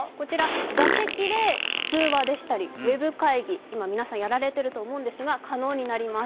座席で通話でしたりウェブ会議今、皆さんやられていると思うんですが、可能になります。